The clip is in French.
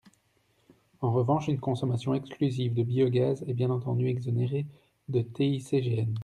En revanche, une consommation exclusive de biogaz est bien entendu exonérée de TICGN.